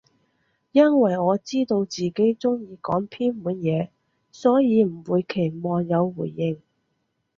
因爲我知道自己中意講偏門嘢，所以唔會期望有回應